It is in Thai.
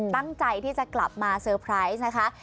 ตั้งใจที่จะกลับมาเซอร์ไพรส์นะคะ